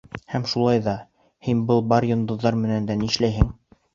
Һәм шулай ҙа, һин был бар йондоҙҙар менән дә ни эшләйһең?